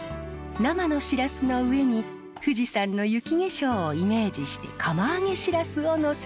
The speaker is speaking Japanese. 生のシラスの上に富士山の雪化粧をイメージして釜揚げシラスをのせる。